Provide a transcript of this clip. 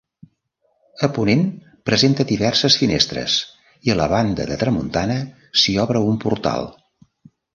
A ponent presenta diverses finestres i a la banda de tramuntana s'hi obre un portal.